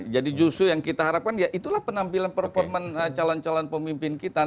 jadi justru yang kita harapkan ya itulah penampilan performa calon calon pemimpin kita